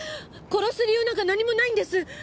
殺す理由なんか何もないんです。